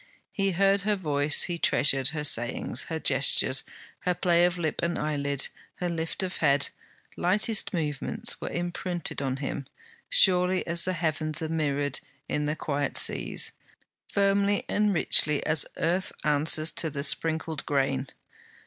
He heard her voice, he treasured her sayings; her gestures, her play of lip and eyelid, her lift of head, lightest movements, were imprinted on him, surely as the heavens are mirrored in the quiet seas, firmly and richly as earth answers to the sprinkled grain.